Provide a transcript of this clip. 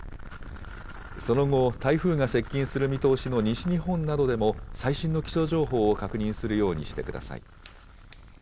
その後、台風が接近する見通しの西日本などでも、最新の気象情報を確認するようにしてください。